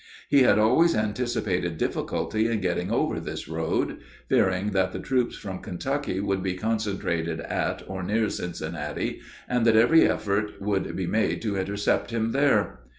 He had always anticipated difficulty in getting over this road; fearing that the troops from Kentucky would be concentrated at or near Cincinnati, and that every effort would be made to intercept him there.